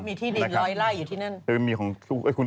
มีที่ดีลอยไล่อยู่ที่นั่น